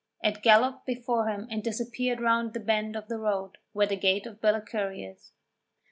It galloped before him and disappeared round the bend of the road where the gate of Ballacurry is.